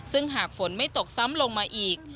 ซึ่งหากฝนไม่ตกซ้ำลงมาอีก